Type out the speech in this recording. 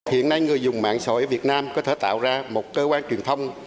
hiện nay người dùng mạng xã hội ở việt nam có thể tạo ra một cơ quan truyền thông